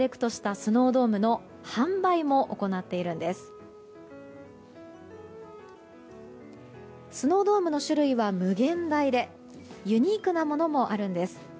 スノードームの種類は無限大でユニークなものもあるんです。